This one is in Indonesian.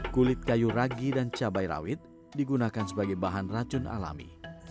kulit kayu ragi dan cabai rawit digunakan sebagai bahan racun alami